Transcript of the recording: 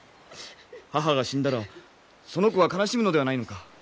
母が死んだらその子が悲しむのではないのか？